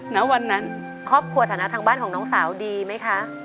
ณวันนั้นครอบครัวฐานะทางบ้านของน้องสาวดีไหมคะ